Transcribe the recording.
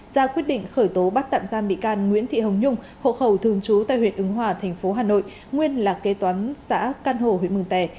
ra quyết định khởi tố bắt tạm giam bị can nguyễn thị hồng nhung hộ khẩu thường trú tại huyện ứng hòa thành phố hà nội nguyên là kế toán xã căn hộ huyện mường tè